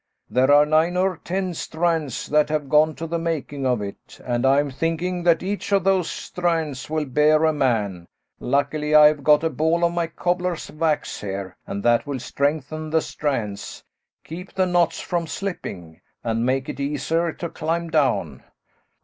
"There are nine or ten strands that have gone to the making of it, and I'm thinking that each of those strands will bear a man. Luckily, I have got a ball of my cobbler's wax here, and that will strengthen the strands, keep the knots from slipping, and make it easier to climb down."